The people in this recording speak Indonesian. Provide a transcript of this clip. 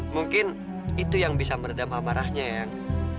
mungkin itu yang bisa meredam hamarahnya ayang